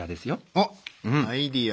おっ「アイデア」。